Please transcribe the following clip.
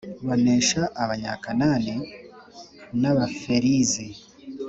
banesha Abanyakan ni n Abaferizi